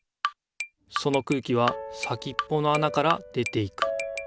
その空気は先っぽのあなから出ていく。